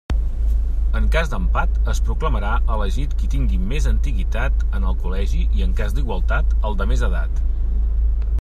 En cas d'empat, es proclamarà elegit qui tingui més antiguitat en el Col·legi i en cas d'igualtat, el de més edat.